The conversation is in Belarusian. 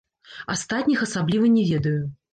Астатніх асабліва не ведаю.